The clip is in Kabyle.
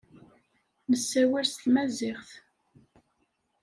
Nessawel s tmaziɣt.